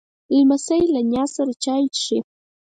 لمسی له نیا سره چای څښي.